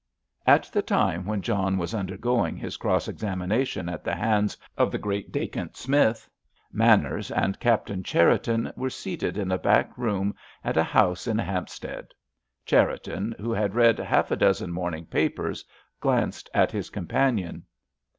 At the time when John was undergoing his cross examination at the hands of the great Dacent Smith, Manners and Captain Cherriton were seated in a back room at a house in Hampstead. Cherriton, who had read half a dozen morning papers, glanced at his companion.